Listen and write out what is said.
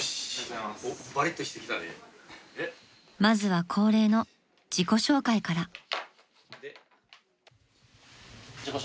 ［まずは恒例の自己紹介から］